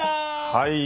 はい。